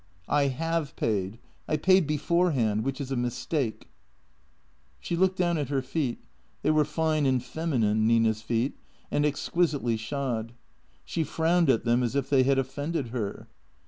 " I have paid. I paid beforehand. Which is a mistake." She looked down at her feet. They were fine and feminine, Nina's feet, and exquisitely shod. She frowned at them as if they had offended her.